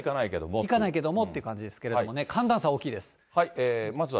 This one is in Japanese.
いかないけれどもという感じですけれども、寒暖差大きいです。